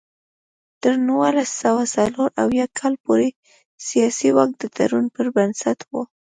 تر نولس سوه څلور اویا کال پورې سیاسي واک د تړون پر بنسټ و.